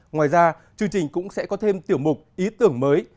ngoài ra chương trình cũng sẽ có thêm tiểu mục ý tưởng mới